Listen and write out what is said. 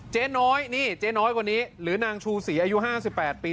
เจ๊น้อยนี่เจ๊น้อยกว่านี้หรือนางชูศรีอายุห้าสิบแปดปี